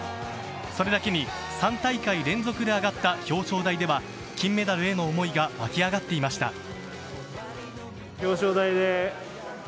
それだけに３大会連続で上がった表彰台では金メダルへの思いが湧き上がっていました。